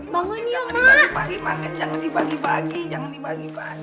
maksimal banget jangan dibagi bagi jangan dibagi bagi